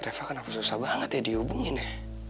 reva kenapa susah banget ya dihubungin ya